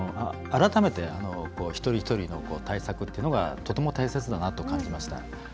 改めて、一人一人の対策っていうのがとても大切だなと感じました。